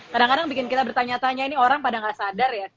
kadang kadang bikin kita bertanya tanya ini orang pada nggak sadar ya